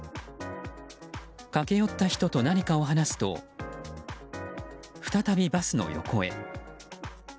駆け寄った人と何かを話すと再びバスの横へ。